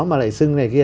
mà lại xưng này kia